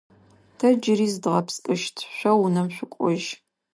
Тэ джыри зыдгъэпскӏыщт, шъо унэм шъукӏожь.